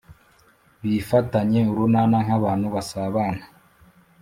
bifatanye urunana nk’abantu basabana.